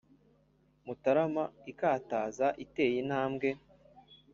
mutarama ikataza iteye intambwe